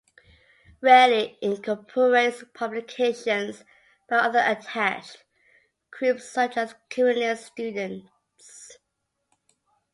Rarely it incorporates publications by other attached groups such as Communist Students.